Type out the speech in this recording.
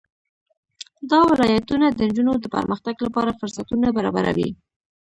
دا ولایتونه د نجونو د پرمختګ لپاره فرصتونه برابروي.